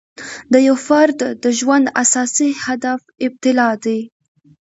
د یو فرد د ژوند اساسي هدف ابتلأ دی.